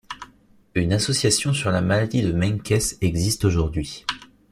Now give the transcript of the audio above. Une association sur la maladie de Menkès existe aujourd'hui.